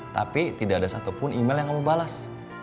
tapi tidak ada satupun email yang kamu balas